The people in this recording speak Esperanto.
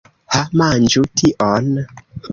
Ha, manĝu tion!